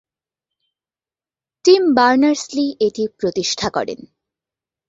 Team Berners Lee এটি প্রতিষ্ঠা করেন।